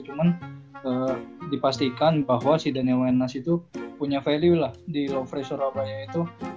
cuma dipastikan bahwa si daniel wainas itu punya value lah di lofres surabaya itu